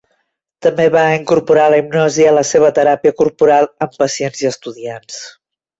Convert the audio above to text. També va incorporar la hipnosi a la seva teràpia corporal amb pacients i estudiants.